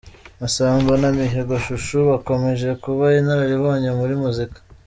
Massamba na Mihigo Chouchou bakomeje kuba inararibonye muri muzika.